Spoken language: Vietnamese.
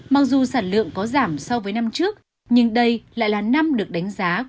mặc dù sản lượng có giảm so với năm trước nhưng đây lại là năm được đánh giá